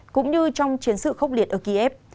cũng như trong chiến sự khốc liệt ở kiev